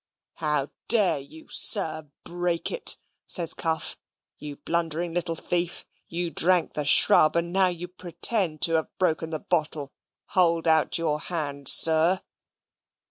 "How dare you, sir, break it?" says Cuff; "you blundering little thief. You drank the shrub, and now you pretend to have broken the bottle. Hold out your hand, sir."